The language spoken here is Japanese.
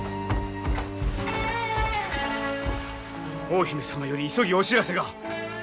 大姫様より急ぎお知らせが。